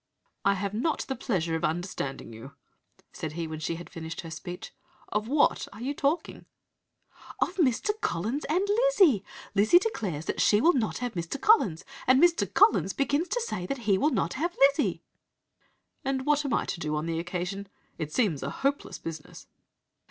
"'I have not the pleasure of understanding you,' said he, when she had finished her speech. 'Of what are you talking?' "'Of Mr. Collins and Lizzy. Lizzy declares she will not have Mr. Collins, and Mr. Collins begins to say that he will not have Lizzy.' "'And what am I to do on the occasion? It seems a hopeless business.'